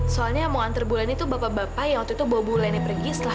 soalnya mau ngantre bulen itu bapak bapak yang waktu itu bawa bulen pergi